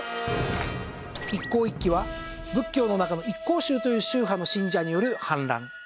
一向一揆は仏教の中の一向宗という宗派の信者による反乱。